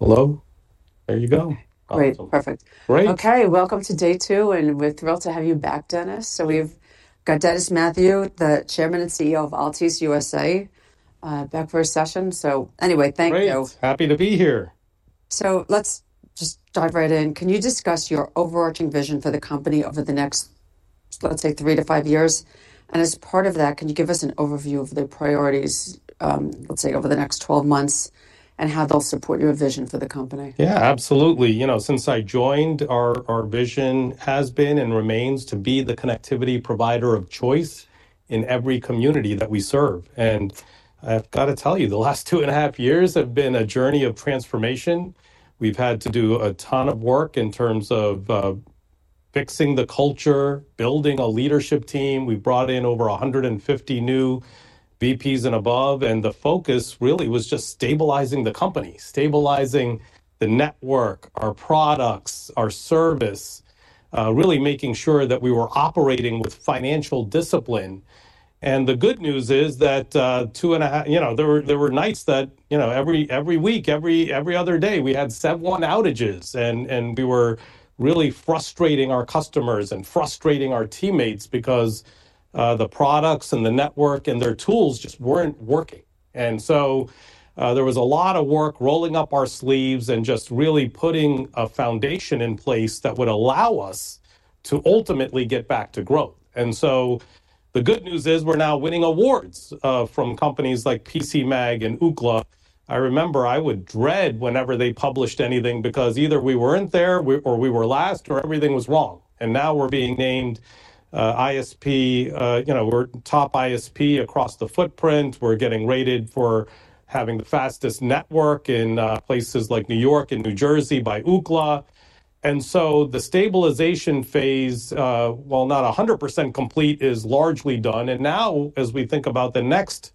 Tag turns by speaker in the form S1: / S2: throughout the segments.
S1: ... Hello? There you go. Great, perfect. Great. Okay, welcome to day two, and we're thrilled to have you back, Dennis. So we've got Dennis Mathew, the Chairman and CEO of Altice USA, back for a session. So anyway, thank you. Great. Happy to be here. So let's just dive right in. Can you discuss your overarching vision for the company over the next, let's say, three to five years? And as part of that, can you give us an overview of the priorities, let's say, over the next twelve months, and how they'll support your vision for the company? Yeah, absolutely. You know, since I joined, our vision has been and remains to be the connectivity provider of choice in every community that we serve. And I've got to tell you, the last two and a half years have been a journey of transformation. We've had to do a ton of work in terms of fixing the culture, building a leadership team. We've brought in over a hundred and fifty new VPs and above, and the focus really was just stabilizing the company. Stabilizing the network, our products, our service, really making sure that we were operating with financial discipline.2And the good news is that two and a half. You know, there were nights that, you know, every week, every other day, we had Sev 1 outages, and we were really frustrating our customers and frustrating our teammates because the products and the network and their tools just weren't working. And so there was a lot of work rolling up our sleeves and just really putting a foundation in place that would allow us to ultimately get back to growth. And so the good news is we're now winning awards from companies like PCMag and Ookla. I remember I would dread whenever they published anything because either we weren't there or we were last, or Everything was wrong, and now we're being named ISP. You know, we're top ISP across the footprint We're getting rated for having the fastest network in places like New York and New Jersey by Ookla. And so the stabilization phase, while not 100% complete, is largely done, and now, as we think about the next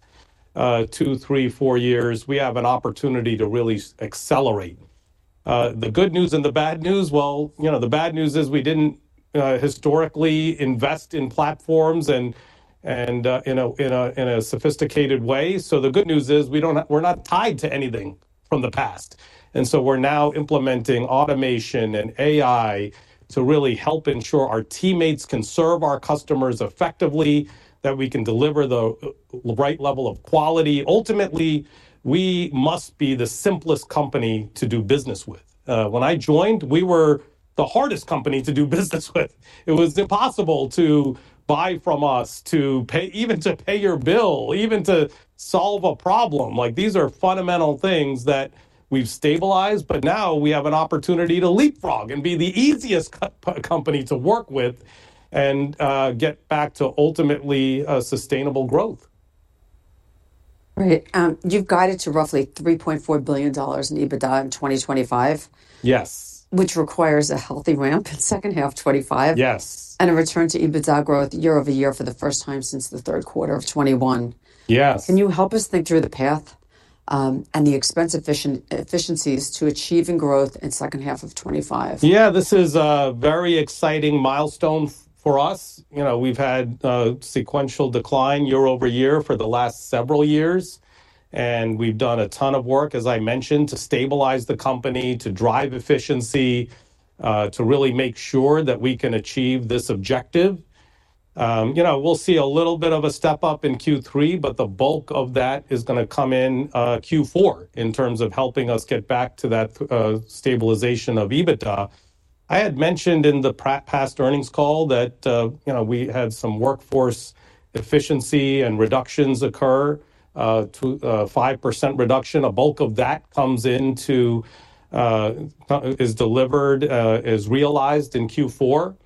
S1: two, three, four years, we have an opportunity to really accelerate. The good news and the bad news, well, you know, the bad news is we didn't historically invest in platforms and in a sophisticated way. So the good news is, we don't, we're not tied to anything from the past. And so we're now implementing automation and AI to really help ensure our teammates can serve our customers effectively, that we can deliver the right level of quality. Ultimately, we must be the simplest company to do business with. When I joined, we were the hardest company to do business with. It was impossible to buy from us, to pay, even to pay your bill, even to solve a problem. Like, these are fundamental things that we've stabilized, but now we have an opportunity to leapfrog and be the easiest company to work with and get back to ultimately sustainable growth. Right. You've guided to roughly $3.4 billion in EBITDA in 2025- Yes. which requires a healthy ramp in second half 2025. Yes. A return to EBITDA growth year-over-year for the first time since the third quarter of 2021. Yes. Can you help us think through the path, and the expense efficient efficiencies to achieving growth in second half of 2025? Yeah, this is a very exciting milestone for us. You know, we've had a sequential decline year over year for the last several years, and we've done a ton of work, as I mentioned, to stabilize the company, to drive efficiency, to really make sure that we can achieve this objective. You know, we'll see a little bit of a step-up in Q3, but the bulk of that is going to come in Q4, in terms of helping us get back to that stabilization of EBITDA. I had mentioned in the past earnings call that, you know, we had some workforce efficiency and reductions occur to 5% reduction. A bulk of that comes into play, is delivered, is realized in Q4.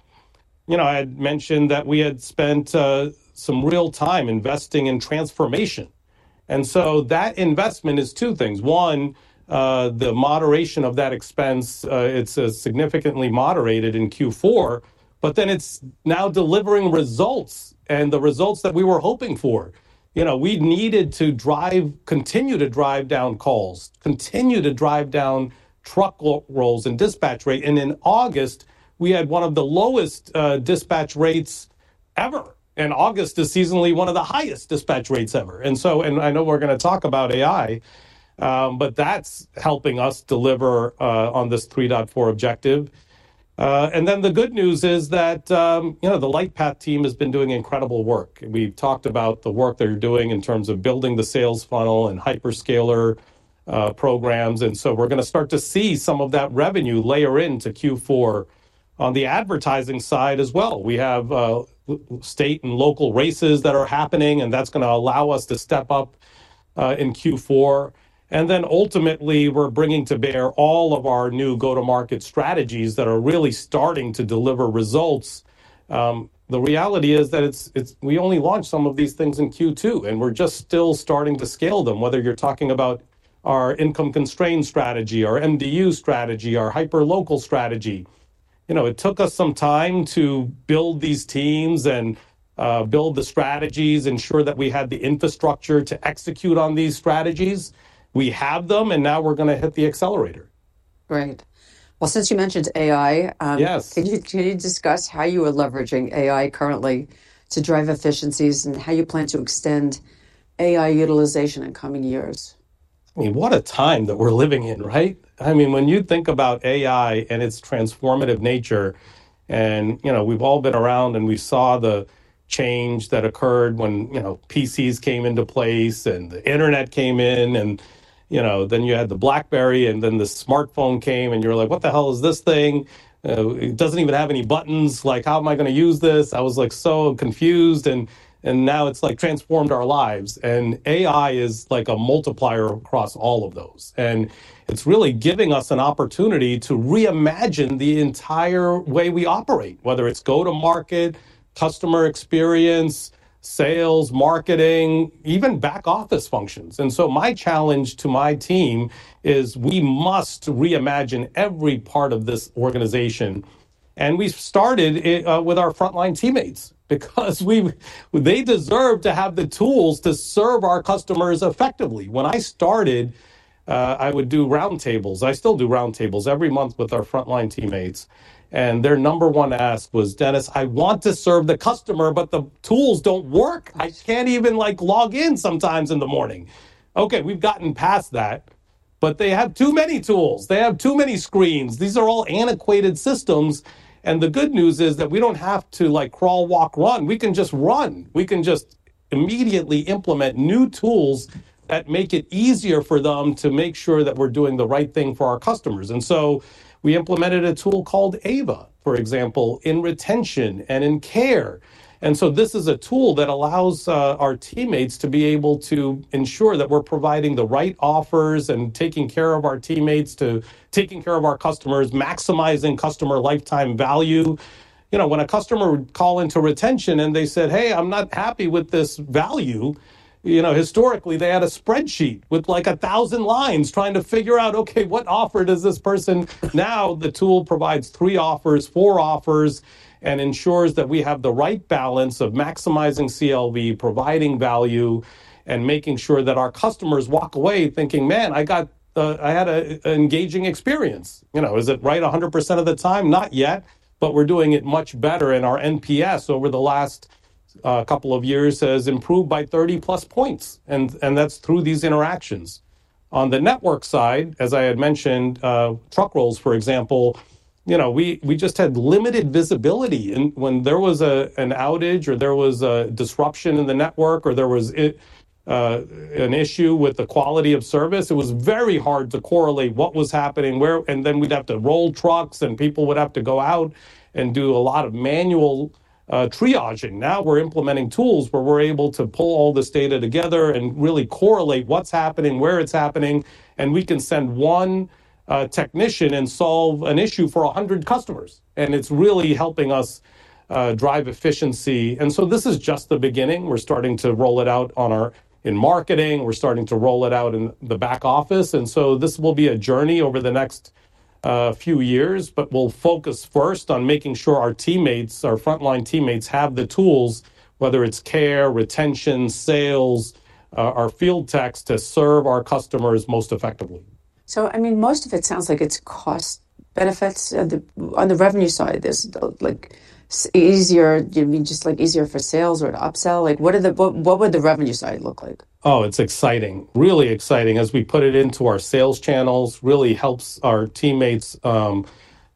S1: You know, I had mentioned that we had spent some real time investing in transformation, and so that investment is two things. One, the moderation of that expense, it's significantly moderated in Q4, but then it's now delivering results, and the results that we were hoping for. You know, we needed to drive, continue to drive down calls, continue to drive down truck rolls and dispatch rate, and in August, we had one of the lowest dispatch rates ever. August is seasonally one of the highest dispatch rates ever. So, I know we're going to talk about AI, but that's helping us deliver on this 3.4 objective. Then the good news is that, you know, the Lightpath team has been doing incredible work. We've talked about the work they're doing in terms of building the sales funnel and hyperscaler programs, and so we're going to start to see some of that revenue layer into Q4. On the advertising side as well, we have with state and local races that are happening, and that's going to allow us to step up in Q4, and then ultimately, we're bringing to bear all of our new go-to-market strategies that are really starting to deliver results. The reality is that it's we only launched some of these things in Q2, and we're just still starting to scale them, whether you're talking about our income constraint strategy, our MDU strategy, our hyperlocal strategy. You know, it took us some time to build these teams and build the strategies, ensure that we had the infrastructure to execute on these strategies. We have them, and now we're going to hit the accelerator.... Great. Well, since you mentioned AI, Yes! Can you discuss how you are leveraging AI currently to drive efficiencies, and how you plan to extend AI utilization in coming years? I mean, what a time that we're living in, right? I mean, when you think about AI and its transformative nature, and, you know, we've all been around, and we saw the change that occurred when, you know, PCs came into place, and the internet came in, and, you know, then you had the BlackBerry, and then the smartphone came, and you were like: "What the hell is this thing? It doesn't even have any buttons. Like, how am I gonna use this?" I was, like, so confused, and now it's, like, transformed our lives. And AI is like a multiplier across all of those, and it's really giving us an opportunity to reimagine the entire way we operate, whether it's go-to-market, customer experience, sales, marketing, even back-office functions. And so my challenge to my team is we must reimagine every part of this organization, and we've started it with our frontline teammates because we, they deserve to have the tools to serve our customers effectively. When I started, I would do roundtables. I still do roundtables every month with our frontline teammates, and their number-one ask was, "Dennis, I want to serve the customer, but the tools don't work. I can't even, like, log in sometimes in the morning." Okay, we've gotten past that, but they have too many tools. They have too many screens. These are all antiquated systems, and the good news is that we don't have to, like, crawl, walk, run. We can just run. We can just immediately implement new tools that make it easier for them to make sure that we're doing the right thing for our customers. And so we implemented a tool called AVA, for example, in retention and in care, and so this is a tool that allows our teammates to be able to ensure that we're providing the right offers and taking care of our teammates to taking care of our customers, maximizing customer lifetime value. You know, when a customer would call into retention, and they said, "Hey, I'm not happy with this value," you know, historically, they had a spreadsheet with, like, a thousand lines trying to figure out, okay, what offer does this person...? Now, the tool provides three offers, four offers, and ensures that we have the right balance of maximizing CLV, providing value, and making sure that our customers walk away thinking, "Man, I got I had a an engaging experience." You know, is it right 100% of the time? Not yet, but we're doing it much better, and our NPS over the last couple of years has improved by 30-plus points, and that's through these interactions. On the network side, as I had mentioned, truck rolls, for example, you know, we just had limited visibility, and when there was an outage or there was a disruption in the network, or there was an issue with the quality of service, it was very hard to correlate what was happening, where, and then we'd have to roll trucks, and people would have to go out and do a lot of manual triaging. Now, we're implementing tools where we're able to pull all this data together and really correlate what's happening, where it's happening, and we can send one, technician and solve an issue for a hundred customers, and it's really helping us, drive efficiency. And so this is just the beginning. We're starting to roll it out on our, in marketing. We're starting to roll it out in the back office, and so this will be a journey over the next, few years. But we'll focus first on making sure our teammates, our frontline teammates, have the tools, whether it's care, retention, sales, our field techs, to serve our customers most effectively. So, I mean, most of it sounds like it's cost benefits. On the revenue side, there's, like, easier, you know what I mean? Just, like, easier for sales or to upsell. Like, what would the revenue side look like? Oh, it's exciting, really exciting. As we put it into our sales channels, really helps our teammates,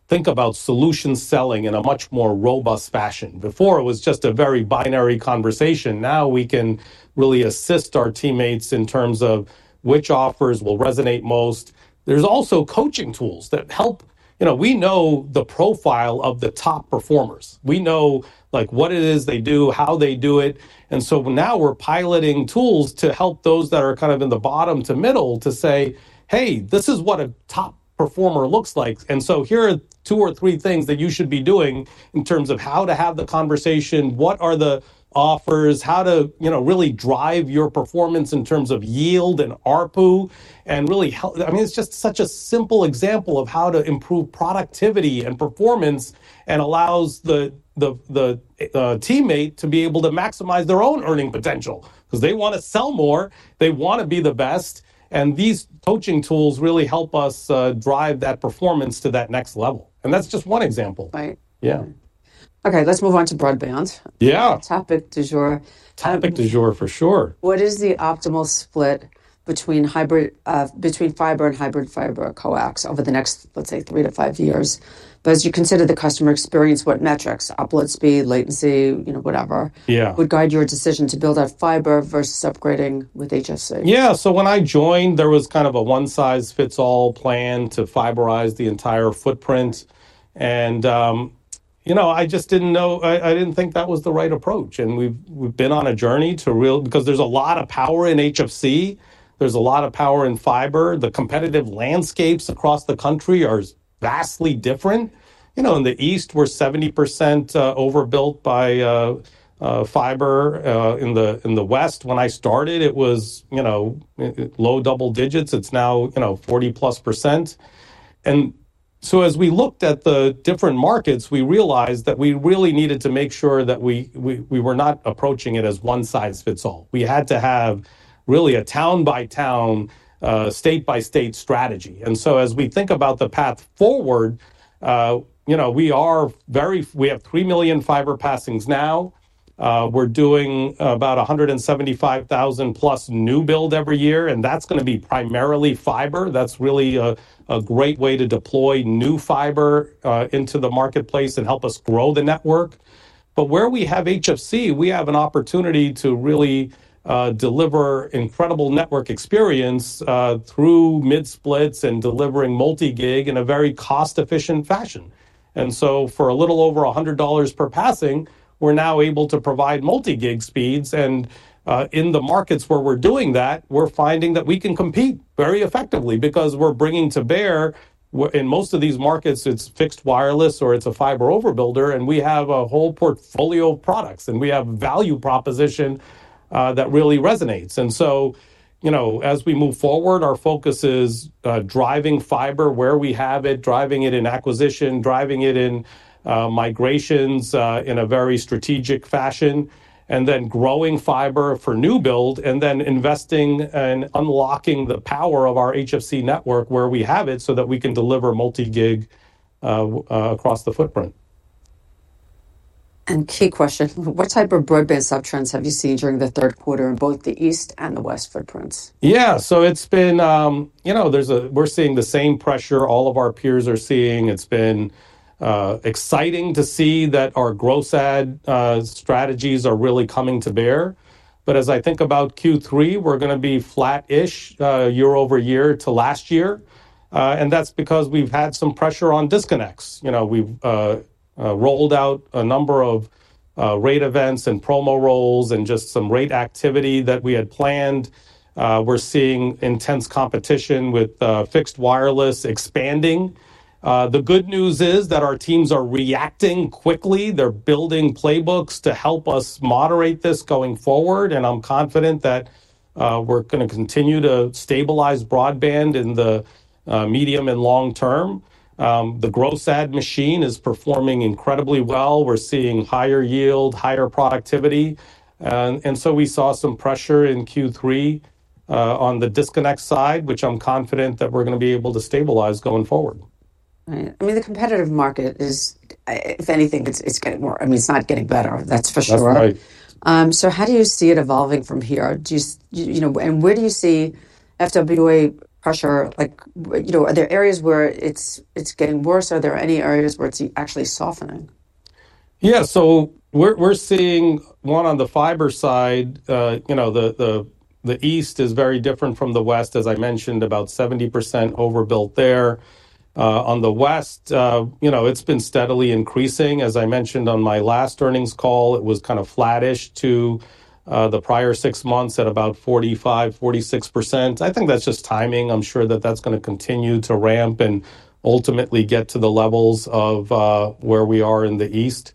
S1: think about solution selling in a much more robust fashion. Before, it was just a very binary conversation. Now, we can really assist our teammates in terms of which offers will resonate most. There's also coaching tools that help. You know, we know the profile of the top performers. We know, like, what it is they do, how they do it, and so now we're piloting tools to help those that are kind of in the bottom to middle to say, "Hey, this is what a top performer looks like, and so here are two or three things that you should be doing in terms of how to have the conversation, what are the offers, how to, you know, really drive your performance in terms of yield and ARPU," and really help. I mean, it's just such a simple example of how to improve productivity and performance and allows the teammate to be able to maximize their own earning potential. 'Cause they wanna sell more, they wanna be the best, and these coaching tools really help us drive that performance to that next level, and that's just one example. Right. Yeah. Okay, let's move on to broadband. Yeah! Topic du jour. Topic du jour, for sure. What is the optimal split between fiber and hybrid fiber coax over the next, let's say, three to five years? But as you consider the customer experience, what metrics, upload speed, latency, you know, whatever- Yeah... would guide your decision to build out fiber versus upgrading with HFC? Yeah, so when I joined, there was kind of a one-size-fits-all plan to fiberize the entire footprint, and you know, I just didn't know. I didn't think that was the right approach. And we've been on a journey to build because there's a lot of power in HFC. There's a lot of power in fiber. The competitive landscapes across the country are vastly different. You know, in the East, we're 70% overbuilt by fiber. In the West, when I started, it was, you know, low double digits. It's now, you know, 40-plus%. So as we looked at the different markets, we realized that we really needed to make sure that we were not approaching it as one size fits all. We had to have really a town-by-town, state-by-state strategy. And so as we think about the path forward, you know, we have three million fiber passings now. We're doing about 175,000-plus new build every year, and that's going to be primarily fiber. That's really a great way to deploy new fiber into the marketplace and help us grow the network. But where we have HFC, we have an opportunity to really deliver incredible network experience through mid-splits and delivering multi-gig in a very cost-efficient fashion. And so for a little over $100 per passing, we're now able to provide multi-gig speeds, and in the markets where we're doing that, we're finding that we can compete very effectively because we're bringing to bear, in most of these markets, it's fixed wireless, or it's a fiber overbuilder, and we have a whole portfolio of products. And we have value proposition that really resonates. And so, you know, as we move forward, our focus is driving fiber where we have it, driving it in acquisition, driving it in migrations in a very strategic fashion, and then growing fiber for new build and then investing and unlocking the power of our HFC network where we have it so that we can deliver multi-gig across the footprint. Key question: What type of broadband sub-trends have you seen during the third quarter in both the east and the west footprints? Yeah, so it's been. You know, we're seeing the same pressure all of our peers are seeing. It's been exciting to see that our gross add strategies are really coming to bear, but as I think about Q3, we're going to be flat-ish year over year to last year, and that's because we've had some pressure on disconnects. You know, we've rolled out a number of rate events and promo rolls and just some rate activity that we had planned. We're seeing intense competition with fixed wireless expanding. The good news is that our teams are reacting quickly. They're building playbooks to help us moderate this going forward, and I'm confident that we're going to continue to stabilize broadband in the medium and long term. The gross add machine is performing incredibly well. We're seeing higher yield, higher productivity, and so we saw some pressure in Q3, on the disconnect side, which I'm confident that we're going to be able to stabilize going forward. Right. I mean, the competitive market is, if anything, it's getting more... I mean, it's not getting better, that's for sure. That's right. So how do you see it evolving from here? Do you see, you know, and where do you see FWA pressure, like, you know, are there areas where it's getting worse? Are there any areas where it's actually softening? Yeah, so we're seeing on the fiber side, you know, the east is very different from the west. As I mentioned, about 70% overbuilt there. On the west, you know, it's been steadily increasing. As I mentioned on my last earnings call, it was kind of flattish to the prior six months at about 45%-46%. I think that's just timing. I'm sure that's going to continue to ramp and ultimately get to the levels of where we are in the east.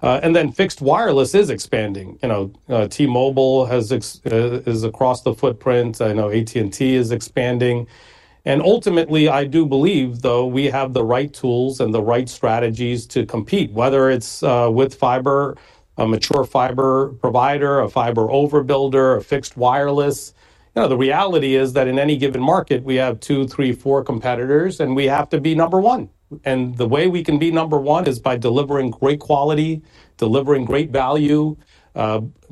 S1: And then fixed wireless is expanding. You know, T-Mobile has is across the footprint. I know AT&T is expanding. And ultimately, I do believe, though, we have the right tools and the right strategies to compete, whether it's with fiber, a mature fiber provider, a fiber overbuilder, a fixed wireless. You know, the reality is that in any given market, we have 2, 3, 4 competitors, and we have to be number one, and the way we can be number one is by delivering great quality, delivering great value,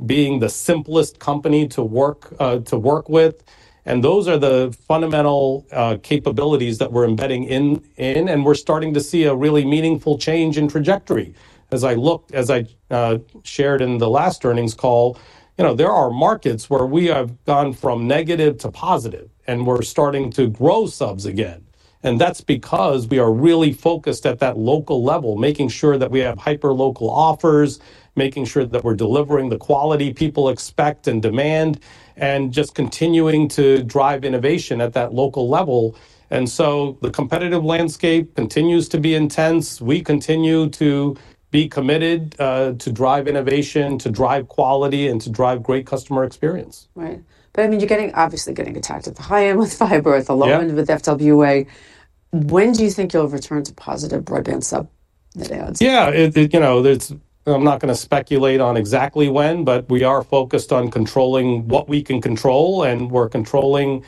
S1: being the simplest company to work with, and those are the fundamental capabilities that we're embedding in, and we're starting to see a really meaningful change in trajectory. As I shared in the last earnings call, you know, there are markets where we have gone from negative to positive, and we're starting to grow subs again, and that's because we are really focused at that local level, making sure that we have hyperlocal offers, making sure that we're delivering the quality people expect and demand, and just continuing to drive innovation at that local level. The competitive landscape continues to be intense. We continue to be committed to drive innovation, to drive quality, and to drive great customer experience. Right, but I mean, you're obviously getting attacked at the high end with fiber- Yeah... with the low end, with FWA. When do you think you'll return to positive broadband sub net adds? Yeah, you know, it's. I'm not going to speculate on exactly when, but we are focused on controlling what we can control, and we're controlling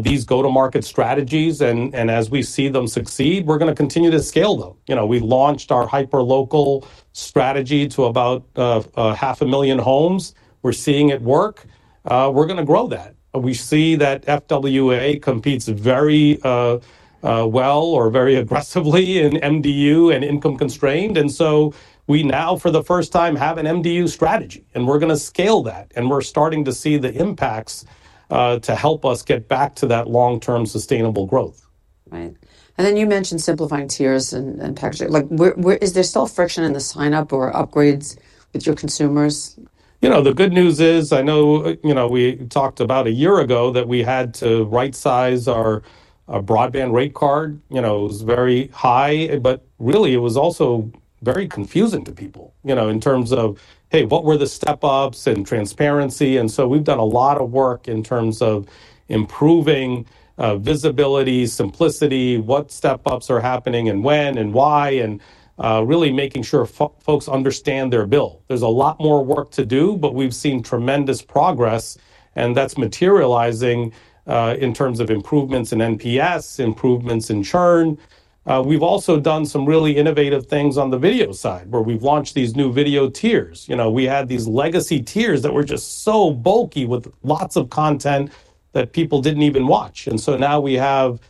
S1: these go-to-market strategies, and as we see them succeed, we're going to continue to scale them. You know, we've launched our hyperlocal strategy to about 500,000 homes. We're seeing it work. We're going to grow that. We see that FWA competes very well or very aggressively in MDU and income-constrained. And so we now, for the first time, have an MDU strategy, and we're going to scale that, and we're starting to see the impacts to help us get back to that long-term sustainable growth. Right. And then you mentioned simplifying tiers and packaging. Like, where is there still friction in the sign-up or upgrades with your consumers?... you know, the good news is, I know, you know, we talked about a year ago that we had to rightsize our broadband rate card. You know, it was very high, but really it was also very confusing to people, you know, in terms of, hey, what were the step-ups and transparency? And so we've done a lot of work in terms of improving, visibility, simplicity, what step-ups are happening and when and why, and, really making sure folks understand their bill. There's a lot more work to do, but we've seen tremendous progress, and that's materializing, in terms of improvements in NPS, improvements in churn. We've also done some really innovative things on the video side, where we've launched these new video tiers. You know, we had these legacy tiers that were just so bulky with lots of content that people didn't even watch. And so now we have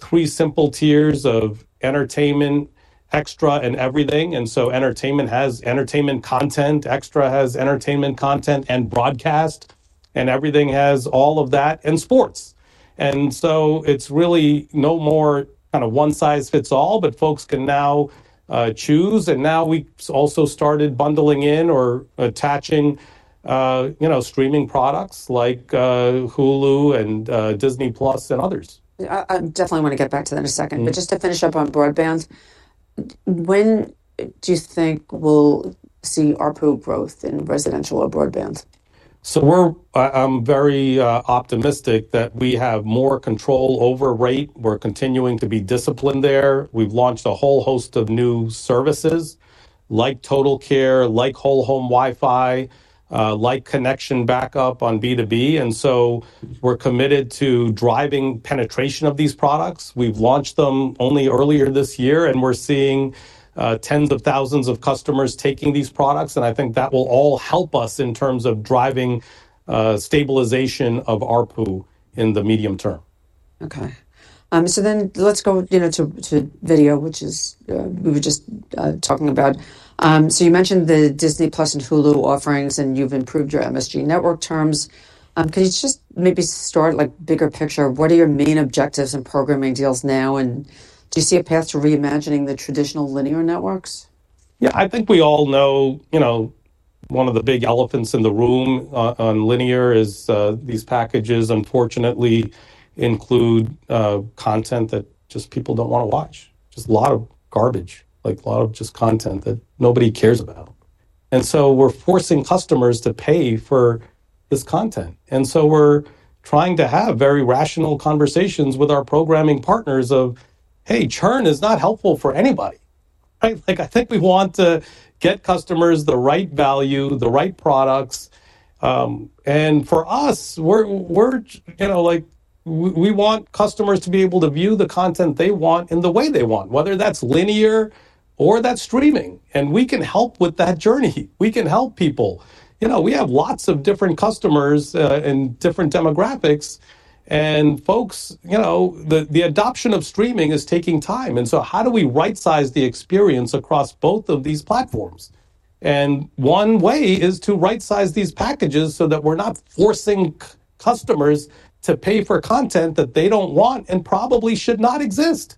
S1: three simple tiers of Entertainment, Extra and Everything, and so Entertainment has Entertainment content, Extra has Entertainment content and broadcast, and Everything has all of that and sports. And so it's really no more kind of one size fits all, but folks can now choose. And now we've also started bundling in or attaching, you know, streaming products like Hulu and Disney+ and others. I definitely want to get back to that in a second. Mm. But just to finish up on broadband, when do you think we'll see ARPU growth in residential or broadband? I'm very optimistic that we have more control over rate. We're continuing to be disciplined there. We've launched a whole host of new services, like Total Care, like Whole-Home Wi-Fi, like Connection Backup on B2B, and so we're committed to driving penetration of these products. We've launched them only earlier this year, and we're seeing tens of thousands of customers taking these products, and I think that will all help us in terms of driving stabilization of ARPU in the medium term. Okay. So then let's go, you know, to video, which is, we were just talking about. So you mentioned the Disney Plus and Hulu offerings, and you've improved your MSG Networks terms. Can you just maybe start, like, bigger picture, what are your main objectives in programming deals now, and do you see a path to reimagining the traditional linear networks? Yeah, I think we all know, you know, one of the big elephants in the room on linear is these packages, unfortunately, include content that just people don't want to watch. Just a lot of garbage, like a lot of just content that nobody cares about. And so we're forcing customers to pay for this content, and so we're trying to have very rational conversations with our programming partners of, "Hey, churn is not helpful for anybody." Right? Like, I think we want to get customers the right value, the right products, and for us, we're you know like we want customers to be able to view the content they want in the way they want, whether that's linear or that's streaming, and we can help with that journey. We can help people. You know, we have lots of different customers in different demographics, and folks, you know, the adoption of streaming is taking time, and so how do we rightsize the experience across both of these platforms? And one way is to rightsize these packages so that we're not forcing customers to pay for content that they don't want and probably should not exist.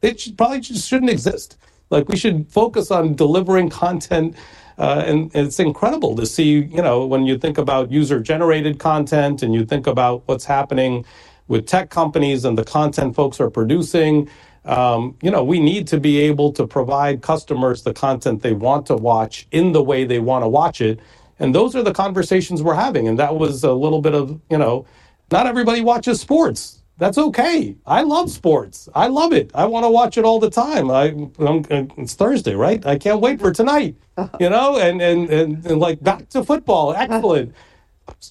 S1: It should probably just shouldn't exist. Like, we should focus on delivering content. And it's incredible to see, you know, when you think about user-generated content, and you think about what's happening with tech companies and the content folks are producing, you know, we need to be able to provide customers the content they want to watch in the way they want to watch it, and those are the conversations we're having. And that was a little bit of, you know, not everybody watches sports. That's okay! I love sports. I love it. It's Thursday, right? I can't wait for tonight. Uh-huh. You know, like back to football, excellent. Mm.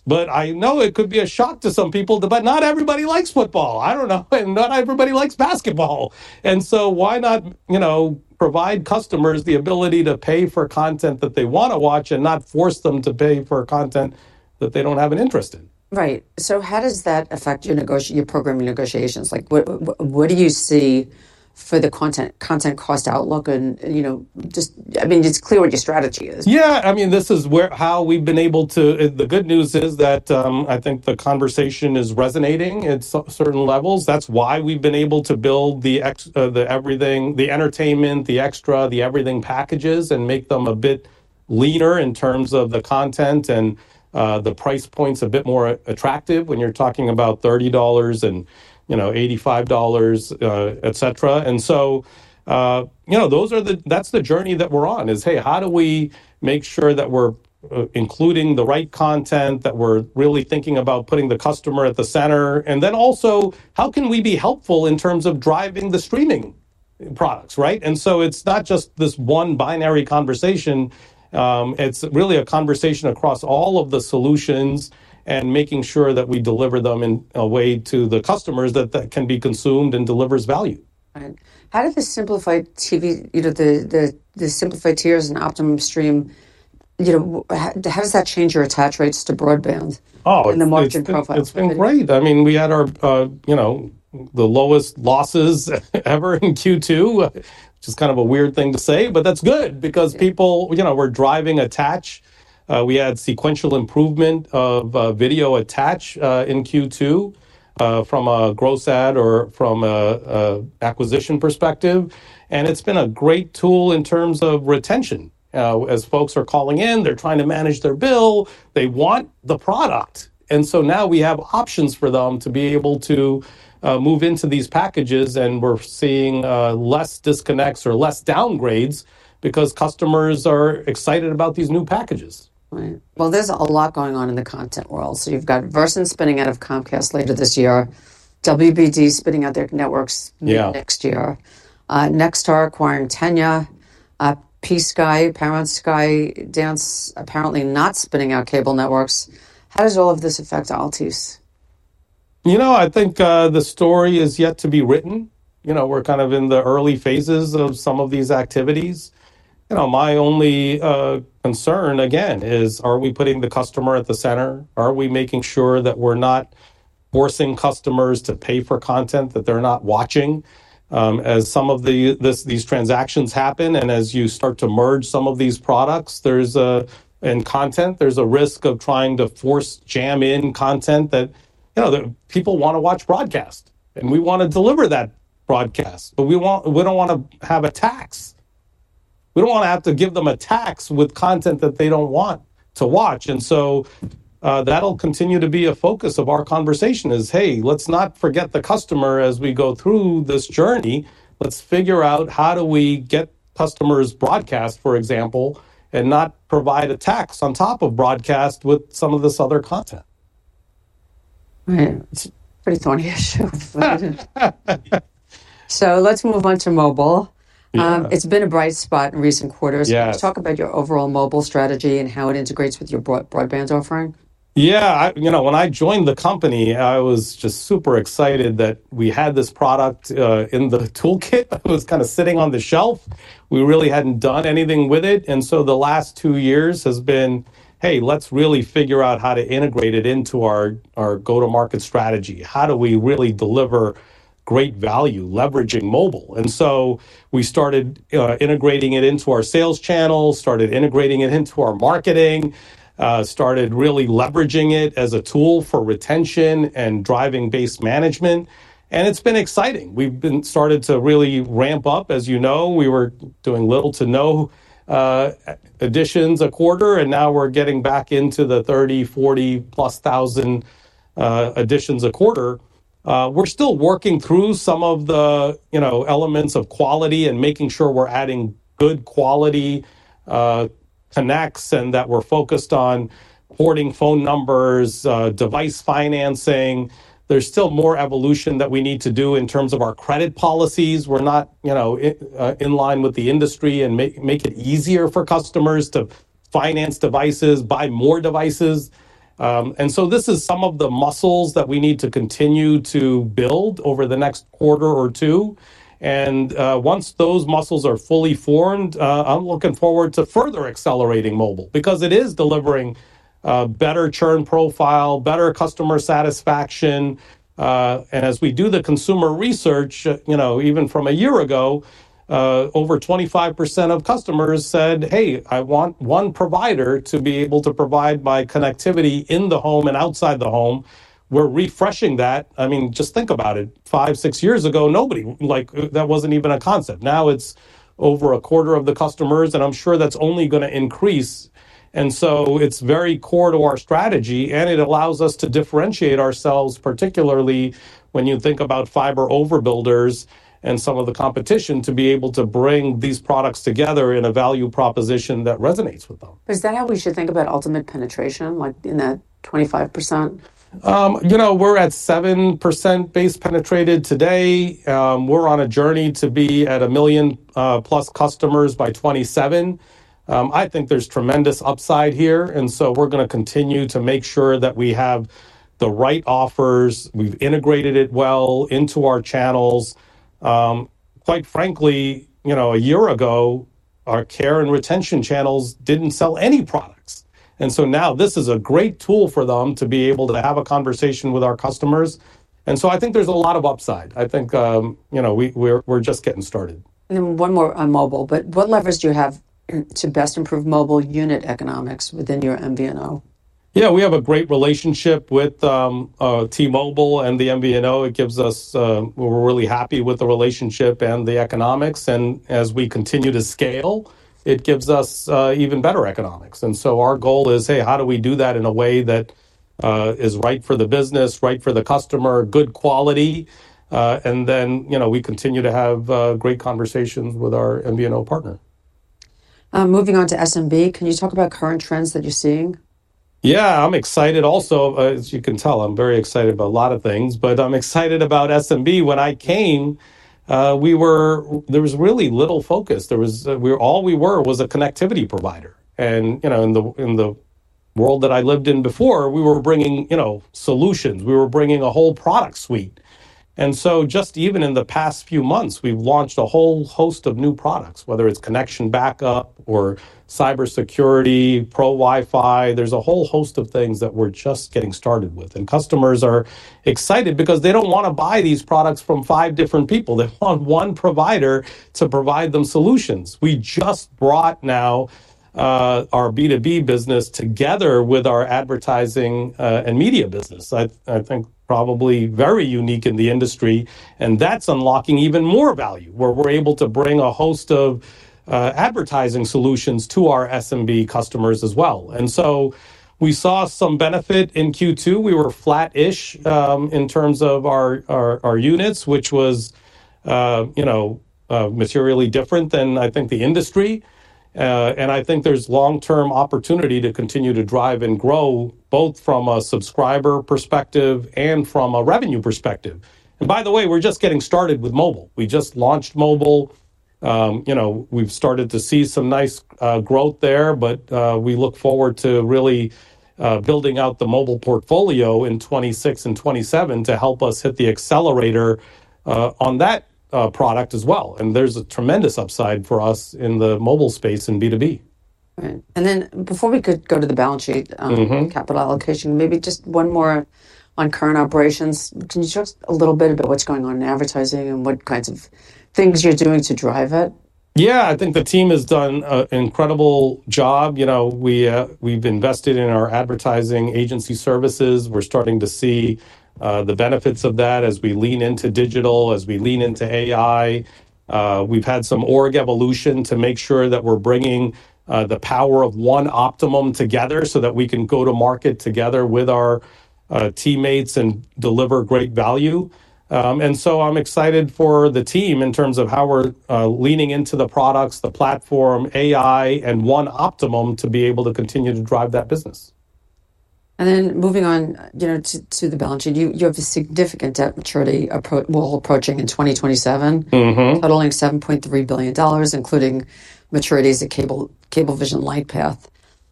S1: But I know it could be a shock to some people, but not everybody likes football. I don't know, and not everybody likes basketball. And so why not, you know, provide customers the ability to pay for content that they want to watch and not force them to pay for content that they don't have an interest in? Right. So how does that affect your programming negotiations? Like, what do you see for the content cost outlook and, you know, I mean, just clear what your strategy is. Yeah, I mean, this is where, how we've been able to. The good news is that, I think the conversation is resonating at certain levels. That's why we've been able to build the Everything, the Entertainment, the Extra, the Everything packages and make them a bit leaner in terms of the content and, the price point's a bit more attractive when you're talking about $30 and, you know, $85, et cetera. And so, you know, those are that's the journey that we're on, is hey, how do we make sure that we're including the right content, that we're really thinking about putting the customer at the center, and then also, how can we be helpful in terms of driving the streaming products, right? And so it's not just this one binary conversation. It's really a conversation across all of the solutions and making sure that we deliver them in a way to the customers that can be consumed and delivers value. How did the simplified TV, you know, the simplified tiers and Optimum Stream, you know, how does that change your attach rates to broadband? Oh, it's- And the margin profile? It's been great. I mean, we had our, you know, the lowest losses ever in Q2, which is kind of a weird thing to say, but that's good- Yeah... because people, you know, were driving attach. We had sequential improvement of video attach in Q2 from a gross add or from a acquisition perspective, and it's been a great tool in terms of retention. As folks are calling in, they're trying to manage their bill, they want the product, and so now we have options for them to be able to move into these packages, and we're seeing less disconnects or less downgrades because customers are excited about these new packages. Right. Well, there's a lot going on in the content world. So you've got Verses spinning out of Comcast later this year, WBD spinning out their networks- Yeah... next year. Nexstar acquiring Tegna. Skydance, Paramount apparently not spinning out cable networks. How does all of this affect Altice? You know, I think the story is yet to be written. You know, we're kind of in the early phases of some of these activities. You know, my only concern, again, is are we putting the customer at the center? Are we making sure that we're not forcing customers to pay for content that they're not watching? As some of these transactions happen, and as you start to merge some of these products, and content, there's a risk of trying to force jam in content that, you know, that people want to watch broadcast, and we want to deliver that broadcast, but we don't want to have a tax. We don't want to have to give them a tax with content that they don't want to watch, and so, that'll continue to be a focus of our conversation is, "Hey, let's not forget the customer as we go through this journey. Let's figure out how do we get customers broadcast, for example, and not provide a tax on top of broadcast with some of this other content. Right. It's a pretty thorny issue. So let's move on to mobile. Yeah. It's been a bright spot in recent quarters. Yes. Talk about your overall mobile strategy and how it integrates with your broadband offering. Yeah, you know, when I joined the company, I was just super excited that we had this product in the toolkit that was kind of sitting on the shelf. We really hadn't done anything with it, and so the last two years has been, "Hey, let's really figure out how to integrate it into our go-to-market strategy. How do we really deliver great value leveraging mobile?" And so we started integrating it into our sales channels, started integrating it into our marketing, started really leveraging it as a tool for retention and driving base management, and it's been exciting. We've started to really ramp up. As you know, we were doing little to no additions a quarter, and now we're getting back into the 30, 40+ thousand additions a quarter. We're still working through some of the, you know, elements of quality and making sure we're adding good quality connects, and that we're focused on porting phone numbers, device financing. There's still more evolution that we need to do in terms of our credit policies. We're not, you know, in line with the industry and make it easier for customers to finance devices, buy more devices. And so this is some of the muscles that we need to continue to build over the next quarter or two, and once those muscles are fully formed, I'm looking forward to further accelerating mobile because it is delivering better churn profile, better customer satisfaction, and as we do the consumer research, you know, even from a year ago, over 25% of customers said, "Hey, I want one provider to be able to provide my connectivity in the home and outside the home." We're refreshing that. I mean, just think about it. 5, 6 years ago, nobody like, that wasn't even a concept. Now, it's over a quarter of the customers, and I'm sure that's only gonna increase, and so it's very core to our strategy, and it allows us to differentiate ourselves, particularly when you think about fiber overbuilders and some of the competition, to be able to bring these products together in a value proposition that resonates with them. Is that how we should think about ultimate penetration, like, in the 25%? You know, we're at 7% base penetration today. We're on a journey to be at a million plus customers by 2027. I think there's tremendous upside here, and so we're gonna continue to make sure that we have the right offers. We've integrated it well into our channels. Quite frankly, you know, a year ago, our care and retention channels didn't sell any products, and so now this is a great tool for them to be able to have a conversation with our customers, and so I think there's a lot of upside. I think, you know, we're just getting started. And then one more on mobile, but what levers do you have to best improve mobile unit economics within your MVNO? Yeah, we have a great relationship with T-Mobile and the MVNO. It gives us. We're really happy with the relationship and the economics, and as we continue to scale, it gives us even better economics, and so our goal is, "Hey, how do we do that in a way that is right for the business, right for the customer, good quality?" And then, you know, we continue to have great conversations with our MVNO partner. Moving on to SMB, can you talk about current trends that you're seeing? Yeah, I'm excited also. As you can tell, I'm very excited about a lot of things, but I'm excited about SMB. When I came, we were- there was really little focus. There was, we- all we were was a connectivity provider, and, you know, in the world that I lived in before, we were bringing, you know, solutions. We were bringing a whole product suite. And so just even in the past few months, we've launched a whole host of new products, whether it's Connection Backup or cybersecurity, Pro WiFi. There's a whole host of things that we're just getting started with, and customers are excited because they don't want to buy these products from five different people. They want one provider to provide them solutions. We just brought now our B2B business together with our advertising and media business. I think probably very unique in the industry, and that's unlocking even more value, where we're able to bring a host of advertising solutions to our SMB customers as well. And so we saw some benefit in Q2. We were flat-ish in terms of our units, which was, you know, materially different than, I think, the industry. And I think there's long-term opportunity to continue to drive and grow, both from a subscriber perspective and from a revenue perspective. And by the way, we're just getting started with mobile. We just launched mobile. You know, we've started to see some nice growth there, but we look forward to really building out the mobile portfolio in 2026 and 2027 to help us hit the accelerator on that product as well. There's a tremendous upside for us in the mobile space in B2B. Right. And then before we could go to the balance sheet- Mm-hmm. Capital allocation, maybe just one more on current operations. Can you talk a little bit about what's going on in advertising and what kinds of things you're doing to drive it? Yeah, I think the team has done an incredible job. You know, we've invested in our advertising agency services. We're starting to see the benefits of that as we lean into digital, as we lean into AI. We've had some org evolution to make sure that we're bringing the power of one Optimum together so that we can go to market together with our teammates and deliver great value, and so I'm excited for the team in terms of how we're leaning into the products, the platform, AI, and one Optimum to be able to continue to drive that business. And then moving on, you know, to the balance sheet, you have a significant debt maturity approaching in 2027. Mm-hmm. Totaling $7.3 billion, including maturities at Cable, Cablevision Lightpath.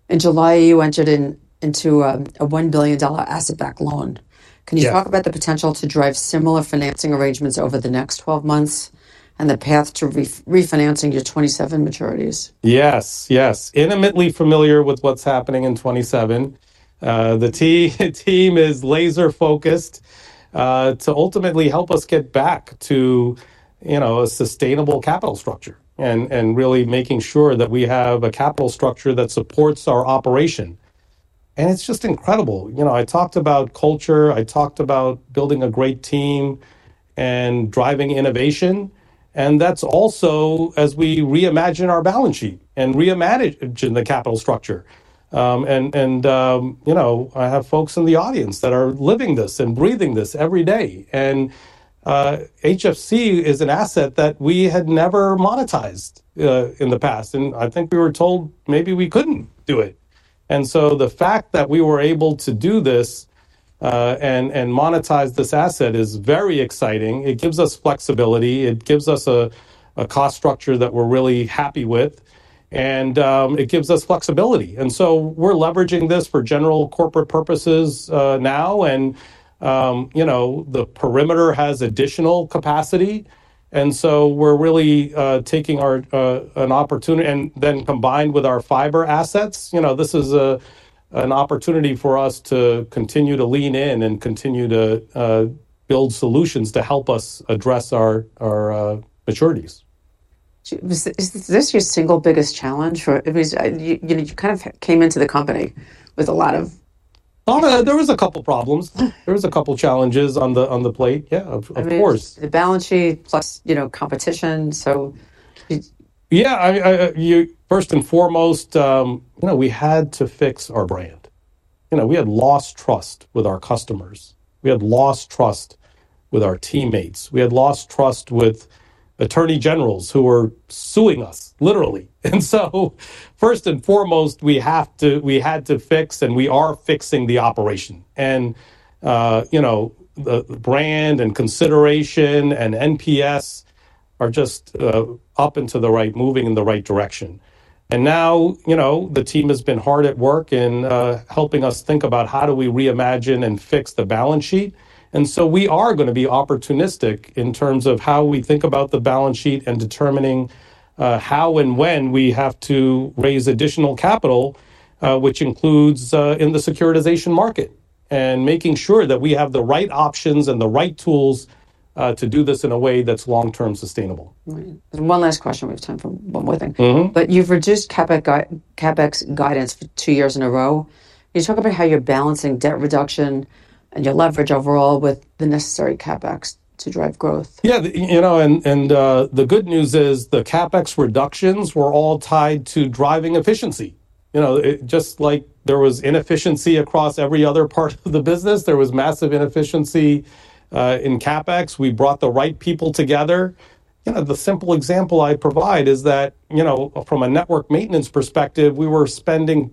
S1: In July, you entered into a $1 billion asset-backed loan. Yeah. Can you talk about the potential to drive similar financing arrangements over the next twelve months and the path to refinancing your 2027 maturities? Yes, yes. Intimately familiar with what's happening in 2027. The team is laser-focused to ultimately help us get back to, you know, a sustainable capital structure and really making sure that we have a capital structure that supports our operation, and it's just incredible. You know, I talked about culture, I talked about building a great team and driving innovation, and that's also as we reimagine our balance sheet and reimagine the capital structure. You know, I have folks in the audience that are living this and breathing this every day. HFC is an asset that we had never monetized in the past, and I think we were told maybe we couldn't do it. So the fact that we were able to do this and monetize this asset is very exciting. It gives us flexibility. It gives us a cost structure that we're really happy with, and it gives us flexibility. And so we're leveraging this for general corporate purposes now, and you know, the perimeter has additional capacity, and so we're really taking an opportunity. And then combined with our fiber assets, you know, this is an opportunity for us to continue to lean in and continue to build solutions to help us address our maturities. Is this your single biggest challenge, or it was- you know, you kind of came into the company with a lot of- Oh, there was a couple problems. There was a couple challenges on the plate. Yeah, of course. The balance sheet plus, you know, competition, so it- Yeah, first and foremost, you know, we had to fix our brand. You know, we had lost trust with our customers. We had lost trust with our teammates. We had lost trust with attorney generals who were suing us, literally. And so first and foremost, we had to fix, and we are fixing the operation. And, you know, the brand and consideration and NPS are just up and to the right, moving in the right direction. And now, you know, the team has been hard at work in helping us think about how do we reimagine and fix the balance sheet? And so we are gonna be opportunistic in terms of how we think about the balance sheet and determining how and when we have to raise additional capital, which includes in the securitization market, and making sure that we have the right options and the right tools to do this in a way that's long-term sustainable. Right. And one last question. We have time for one more thing. But you've reduced CapEx guidance for two years in a row. Can you talk about how you're balancing debt reduction and your leverage overall with the necessary CapEx to drive growth? Yeah, you know, and, and, the good news is the CapEx reductions were all tied to driving efficiency. You know, just like there was inefficiency across every other part of the business, there was massive inefficiency in CapEx. We brought the right people together. You know, the simple example I provide is that, you know, from a network maintenance perspective, we were spending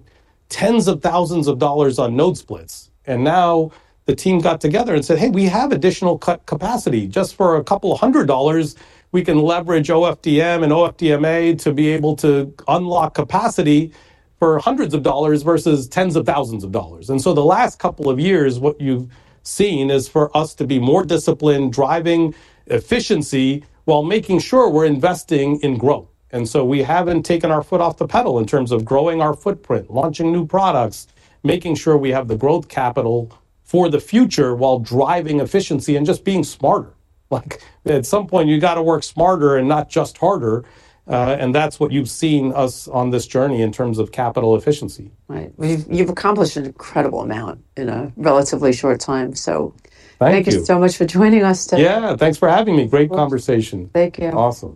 S1: tens of thousands of dollars on node splits, and now the team got together and said, "Hey, we have additional capacity. Just for a couple of hundred dollars, we can leverage OFDM and OFDMA to be able to unlock capacity for hundreds of dollars versus tens of thousands of dollars." And so the last couple of years, what you've seen is for us to be more disciplined, driving efficiency while making sure we're investing in growth. So we haven't taken our foot off the pedal in terms of growing our footprint, launching new products, making sure we have the growth capital for the future while driving efficiency and just being smarter. Like, at some point, you've got to work smarter and not just harder, and that's what you've seen us on this journey in terms of capital efficiency. Right. Well, you've accomplished an incredible amount in a relatively short time. So- Thank you. Thank you so much for joining us today. Yeah, thanks for having me. Great conversation. Thank you. Awesome.